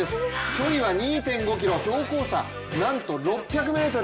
距離は２．５ｋｍ、標高差なんと６００ｍ。